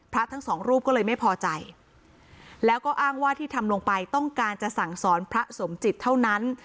ทั้งสองรูปก็เลยไม่พอใจแล้วก็อ้างว่าที่ทำลงไปต้องการจะสั่งสอนพระสมจิตเท่านั้น